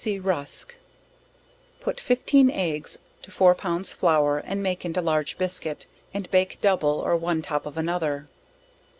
P.C. rusk. Put fifteen eggs to 4 pounds flour and make into large biscuit; and bake double, or one top of another.